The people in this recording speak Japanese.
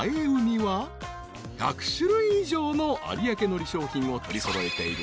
［１００種類以上の有明のり商品を取り揃えているまさに］